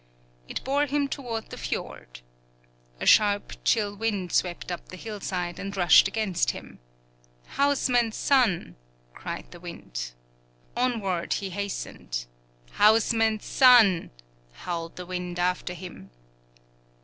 It bore him toward the fjord. A sharp, chill wind swept up the hillside, and rushed against him. "Houseman's son!" cried the wind. Onward he hastened. "Houseman's son!" howled the wind after him.